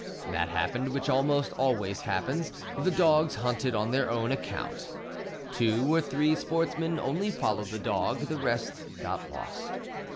That happened which almost always happens the dogs hunted on their own account. Two or three sportsmen only followed the dogs; the rest got lost.